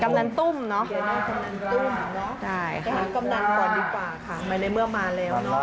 กำนันตุ้มเนาะกำนันก่อนดีกว่าค่ะในเมื่อมาแล้วเนอะ